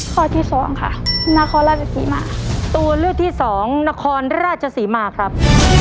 ข้อที่สองค่ะนครราชศรีมาตัวเลือกที่สองนครราชศรีมาครับ